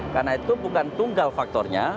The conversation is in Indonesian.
karena itu bukan tunggal faktornya